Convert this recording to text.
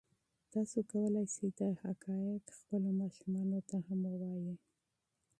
تاسو کولی شئ دا حقایق خپلو ماشومانو ته هم ووایئ.